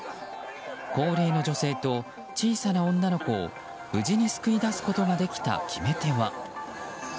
高齢の女性と小さな女の子を無事に救い出すことができた決め手は。